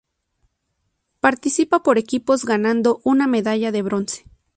Participa por equipos ganando una medalla de bronce.